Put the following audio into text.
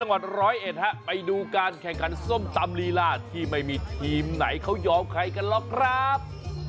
จังหวัดร้อยเอ็ดฮะไปดูการแข่งขันส้มตำลีลาที่ไม่มีทีมไหนเขายอมใครกันหรอกครับ